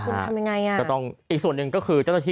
คุณทำยังไงอ่ะก็ต้องอีกส่วนหนึ่งก็คือเจ้าหน้าที่